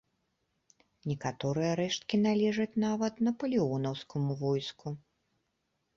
Некаторыя рэшткі належаць нават напалеонаўскаму войску.